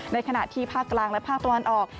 ในขณะที่ภาคกลางและภาคตะวันออก